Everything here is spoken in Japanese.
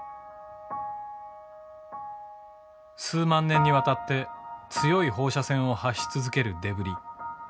数万年にわたって強い放射線を発し続けるデブリ。